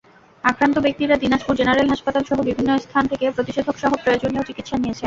আক্রান্ত ব্যক্তিরা দিনাজপুর জেনারেল হাসপাতালসহ বিভিন্ন স্থান থেকে প্রতিষেধকসহ প্রয়োজনীয় চিকিৎসা নিয়েছেন।